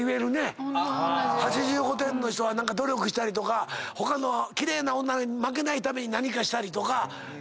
８５点の人は何か努力したりとか他の奇麗な女に負けないために何かしたりとかするからそっちの方がモテるもんな。